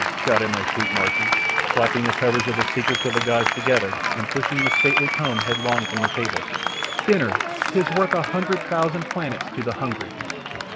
shouted my sweet Martian, slapping the covers of The Secret of the Gods together and pushing the stately tome headlong from the table. "Dinner! 'Tis worth a hundred thousand planets to the hungry!"